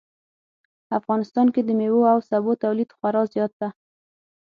افغانستان کې د میوو او سبو تولید خورا زیات ده